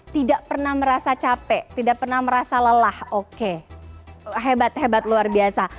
tidak pernah merasa capek tidak pernah merasa lelah oke hebat hebat luar biasa